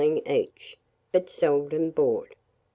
each; but seldom bought.